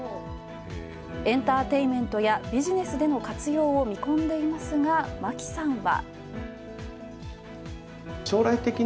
エンターテインメントやビジネスでの活用を見込んでいますが、牧さんは。